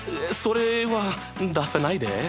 それは出さないで。